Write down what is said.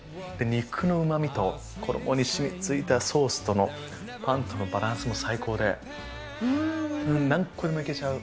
肉のうまみと、衣に染みついたソースとの、パンとのバランスも最高で、何個でもいけちゃう。